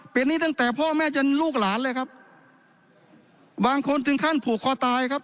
เป็นนี้ตั้งแต่พ่อแม่จนลูกหลานเลยครับบางคนถึงขั้นผูกคอตายครับ